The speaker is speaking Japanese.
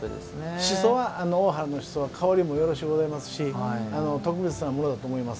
しそは、大原のしそは香りもよろしゅうございますし特別なものだと思います。